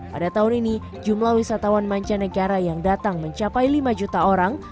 pada tahun ini jumlah wisatawan mancanegara yang datang mencapai lima juta orang